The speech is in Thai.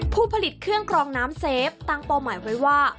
ผู้ผลิตเครื่องกรองน้ำเซฟตั้งเป้าหมายไว้ว่า